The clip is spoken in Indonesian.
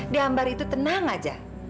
deambar itu tenang aja